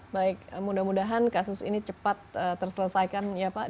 baik mudah mudahan kasus ini cepat terselesaikan ya pak